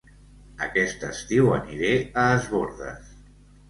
Aquest estiu aniré a Es Bòrdes